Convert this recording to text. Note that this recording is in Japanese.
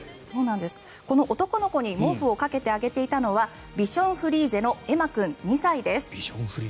この男の子に毛布をかけてあげていたのはビションフリーゼのエマ君、２歳です。